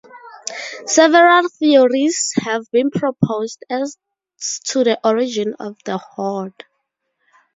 Several theories have been proposed as to the origin of the hoard.